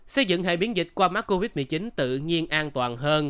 xây dựng hệ biến dịch qua mắt covid một mươi chín tự nhiên an toàn hơn